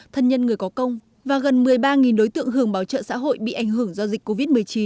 thân nhân người có công và gần một mươi ba đối tượng hưởng bảo trợ xã hội bị ảnh hưởng do dịch covid một mươi chín